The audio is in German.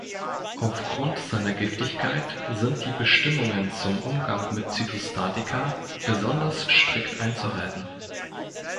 Aufgrund seiner Giftigkeit sind die Bestimmungen zum Umgang mit Zytostatika besonders strikt einzuhalten.